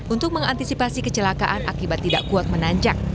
untuk mengantisipasi kecelakaan akibat tidak kuat menanjak